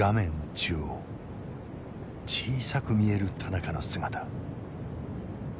中央小さく見える田中の姿。